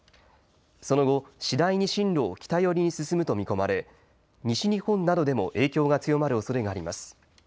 その後、次第に進路を北寄りに進むと見込まれ西日本などでも影響が強まるおそれがあります。